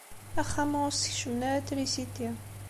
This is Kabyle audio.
Axxam-a ur as-skecmen ara trisiti.